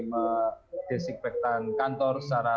menginspektikan kantor secara